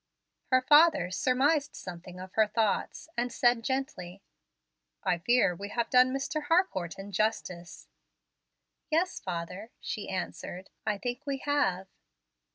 Her father surmised something of her thoughts and said gently, "I fear we have done Mr. Harcourt injustice." "Yes, father," she answered, "I think we have."